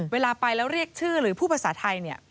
เวลาไปแล้วเรียกชื่อหรือพูดภาษาไทยเนี่ย